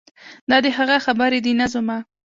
دا د هغه خبرې دي نه زما.